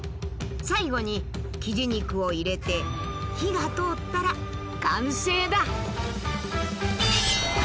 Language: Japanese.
最後にキジ肉を入れて火が通ったら完成だ。